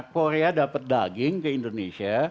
korea dapat daging ke indonesia